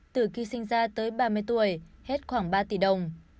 từ khi sinh ra tới ba mươi tuổi hết khoảng ba tỷ đồng